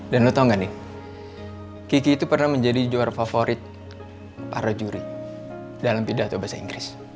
lo tau gak nih kiki itu pernah menjadi juara favorit para juri dalam pidato bahasa inggris